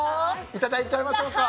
いただいちゃいましょうか。